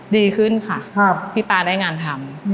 ดีขึ้นค่ะพี่ป๊าได้งานทำ